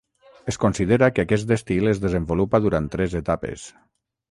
Es considera que aquest estil es desenvolupa durant tres etapes.